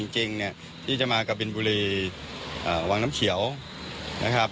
จริงเนี่ยที่จะมากะบินบุรีวังน้ำเขียวนะครับ